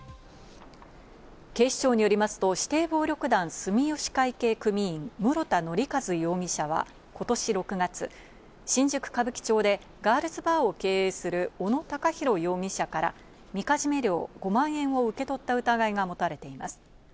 警視庁によりますと指定暴力団・住吉会系組員、室田憲和容疑者は今年６月、新宿・歌舞伎町でガールズバーを経営する小野高広容疑者から、みかじめ料、５万円を受け取った疑いが持たれています。